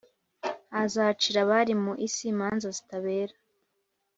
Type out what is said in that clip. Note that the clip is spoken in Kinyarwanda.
Azacira abari mu isi imanza zitabera